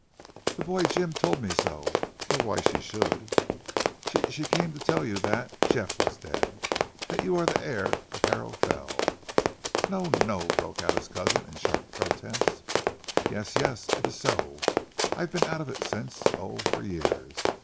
"The boy, Jim, told me so. Though why she should " "She ... she came to tell you that ... Geoff was dead ... that you are the heir of Harrow Fell " "No! No!" broke out his cousin in sharp protest. "Yes! Yes! It is so. I've been out of it since oh, for years!